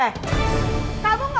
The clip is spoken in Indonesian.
kamu gak usah ngatur saya ya